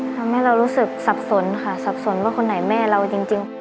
ทำให้เรารู้สึกสับสนค่ะสับสนว่าคนไหนแม่เราจริง